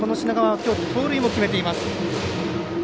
きょう、盗塁も決めています。